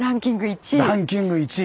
ランキング１位。